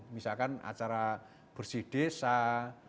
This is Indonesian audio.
misalkan acara bersih desa acara nadiran